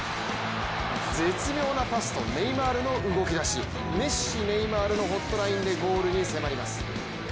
絶妙なパスとネイマールの動きだしメッシ・ネイマールのホットラインでゴールに迫ります。